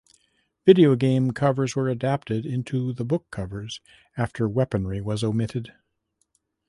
Video game covers were adapted into the book covers after weaponry was omitted.